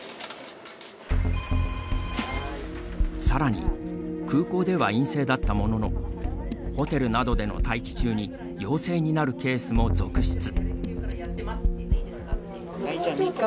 さらに空港では陰性だったもののホテルなどでの待機中に陽性になるケースも続出。